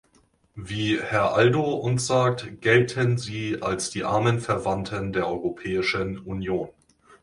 Wie Herr Aldo uns sagt, gelten sie als die armen Verwandten der Europäischen Union.